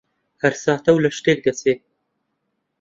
هەر ساتە و لە شتێک دەچێ: